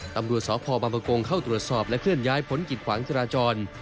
ตำรวจสพบังประกงเข้าตรวจสอบและเคลื่อนย้ายพ้นกิจขวางจราจร